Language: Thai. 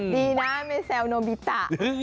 ดีนะไม่แซวโนบิตะ